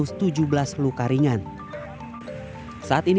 saat ini masih diperlukan penyakit